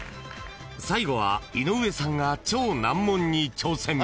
［最後は井上さんが超難問に挑戦］